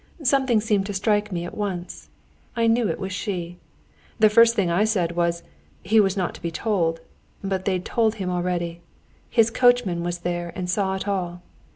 Something seemed to strike me at once. I knew it was she. The first thing I said was, he was not to be told. But they'd told him already. His coachman was there and saw it all.